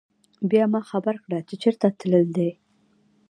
بيا ما خبر کړه چې چرته تلل دي